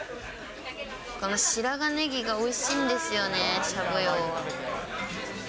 この白髪ネギがおいしいんですよね、しゃぶ葉。